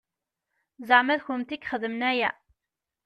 Zeɛma d kennemti i ixedmen aya?